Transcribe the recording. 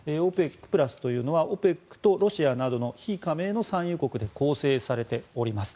ＯＰＥＣプラスというのはＯＰＥＣとロシアなどの非加盟の産油国で構成されております。